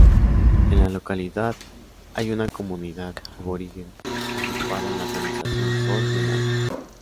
En la localidad hay una comunidad aborigen agrupada en la Organización Sol de Mayo.